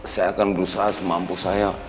saya akan berusaha semampu saya